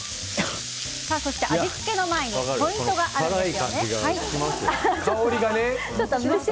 味付けの前にポイントがあるんですよね。